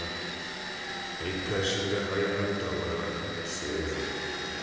１回死んではい上がった俺は強えぞ。